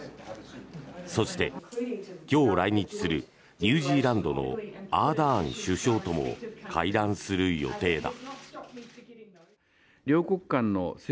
そして、今日来日するニュージーランドのアーダーン首相とも会談する予定だ。